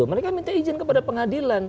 mereka minta izin kepada pengadilan